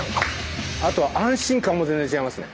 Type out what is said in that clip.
あと安心感も全然違いますね。